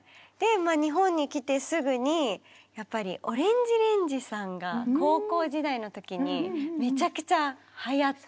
日本に来てすぐにやっぱりＯＲＡＮＧＥＲＡＮＧＥさんが高校時代の時にめちゃくちゃはやって。